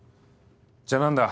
じゃあ何だ？